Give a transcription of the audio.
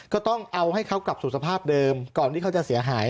ก็ต้องเอาให้เขากลับสู่สภาพเดิมก่อนที่เขาจะเสียหาย